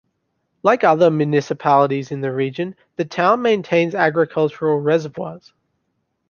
Like other municipalities in the region, the town maintains agricultural reservoirs.